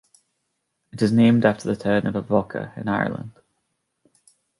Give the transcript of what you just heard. It is named after the town of Avoca in Ireland.